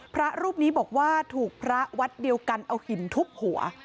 พระรูปนี้บอกว่าถูกพระวัดเดียวกันเอาหินทุบหัว